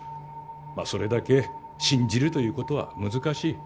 まあそれだけ信じるということは難しい。